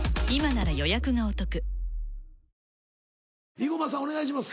伊駒さんお願いします。